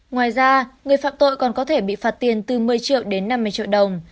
ngoài ra người phạm tội còn có thể bị phạt tiền từ một mươi triệu đến năm mươi triệu đồng